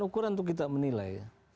ukuran itu kita menilai